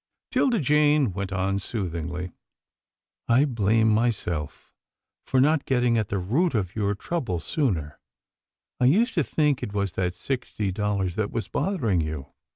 'Tilda Jane went on soothingly, " I blame myself for not getting at the root of your trouble sooner. I used to think it was that sixty dollars that was bothering you.